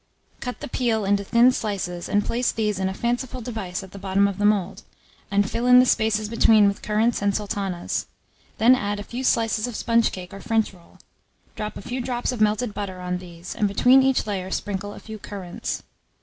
Cut the peel into thin slices, and place these in a fanciful device at the bottom of the mould, and fill in the spaces between with currants and sultanas; then add a few slices of sponge cake or French roll; drop a few drops of melted butter on these, and between each layer sprinkle a few currants.